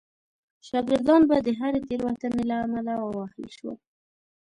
شاګردان به د هرې تېروتنې له امله ووهل شول.